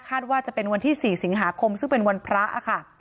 ว่าจะเป็นวันที่๔สิงหาคมซึ่งเป็นวันพระค่ะ